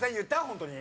ホントに。